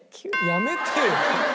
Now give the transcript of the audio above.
やめてよ！